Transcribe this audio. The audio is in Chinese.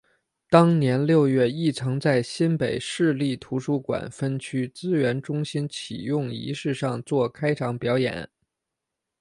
当年六月亦曾在新北市立图书馆分区资源中心启用仪式上做开场表演。